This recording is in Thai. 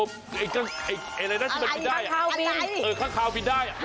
อะไรข้างเคราะห์บินค่ะบินได้